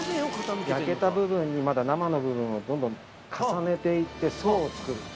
焼けた部分にまだ生の部分をどんどん重ねていって層を作る。